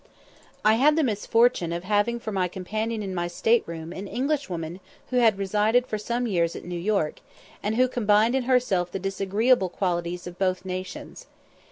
I had the misfortune of having for my companion in my state room an Englishwoman who had resided for some years at New York, and who combined in herself the disagreeable qualities of both nations.